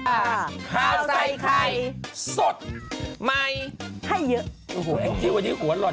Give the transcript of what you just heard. ข้าวใส่ไข่สดใหม่ให้เยอะโอ้โหแองจี้วันนี้หัวหล่อน